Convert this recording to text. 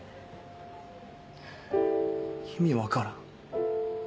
意味分からん。